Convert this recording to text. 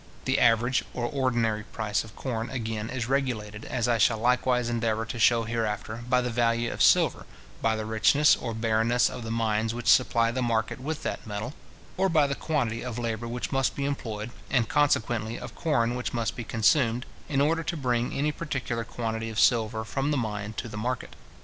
The average or ordinary price of corn, again is regulated, as I shall likewise endeavour to shew hereafter, by the value of silver, by the richness or barrenness of the mines which supply the market with that metal, or by the quantity of labour which must be employed, and consequently of corn which must be consumed, in order to bring any particular quantity of silver from the mine to the market.